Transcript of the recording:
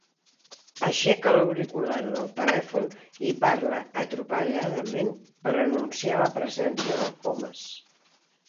Aixeca l'auricular del telèfon i parla atropelladament per anunciar la presència del Comas.